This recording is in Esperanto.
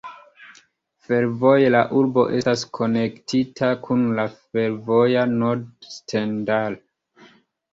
Fervoje la urbo estas konektita kun la fervoja nodo Stendal.